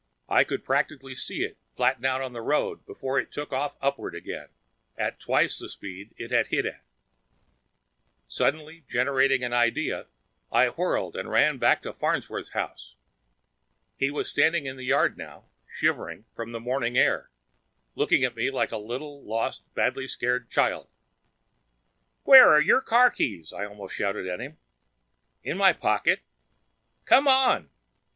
I could practically see it flatten out on the road before it took off upward again, at twice the speed it had hit at. Suddenly generating an idea, I whirled and ran back to Farnsworth's house. He was standing in the yard now, shivering from the morning air, looking at me like a little lost and badly scared child. "Where are your car keys?" I almost shouted at him. "In my pocket." "Come on!"